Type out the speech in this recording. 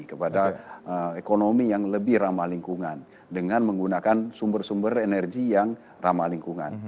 kepada ekonomi yang lebih ramah lingkungan dengan menggunakan sumber sumber energi yang ramah lingkungan